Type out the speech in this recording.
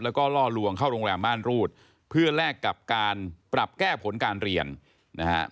แล้วก็ล่อลวงเข้าโรงแรมม่านรูดเพื่อแลกกับการปรับแก้ผลการเรียนนะฮะ